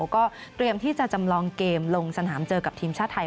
ก็เตรียมที่จะจำลองเกมลงสนามเจอกับทีมชาติไทย